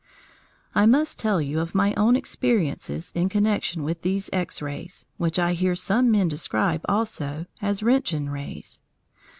I must tell you of my own experiences in connection with these X rays, which I hear some men describe also as Roentgen rays.